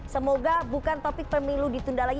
semoga bukan topik pemilu ditunda lagi